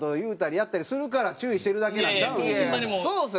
そうですよ。